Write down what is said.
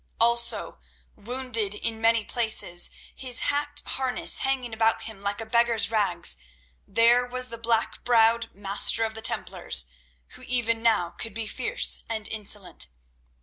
Also, wounded in many places, his hacked harness hanging about him like a beggar's rags, there was the black browed Master of the Templars, who even now could be fierce and insolent.